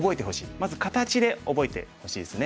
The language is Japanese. まず形で覚えてほしいですね。